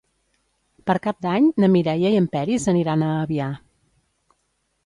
Per Cap d'Any na Mireia i en Peris aniran a Avià.